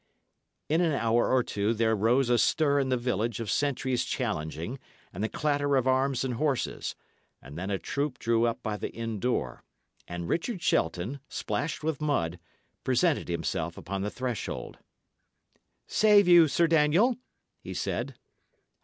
In an hour or two, there rose a stir in the village of sentries challenging and the clatter of arms and horses; and then a troop drew up by the inn door, and Richard Shelton, splashed with mud, presented himself upon the threshold. "Save you, Sir Daniel," he said.